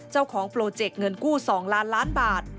เจ้าของโปรเจกต์เงินกู้๒ล้านล้านบาท